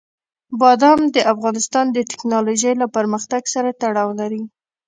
بادام د افغانستان د تکنالوژۍ له پرمختګ سره تړاو لري.